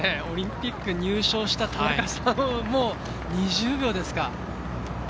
オリンピック入賞した田中さんを２０秒ですか。